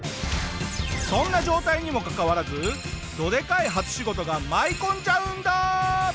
そんな状態にもかかわらずどでかい初仕事が舞い込んじゃうんだ！